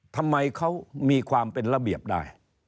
ทำไมเขามีความเป็นระเบียบได้